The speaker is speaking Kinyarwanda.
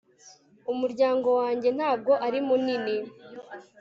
umuryango wanjye ntabwo ari munini